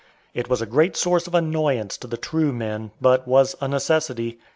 It was a great source of annoyance to the true men, but was a necessity.